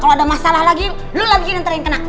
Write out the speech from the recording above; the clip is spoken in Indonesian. kalau ada masalah lagi lu lagi nanti yang kena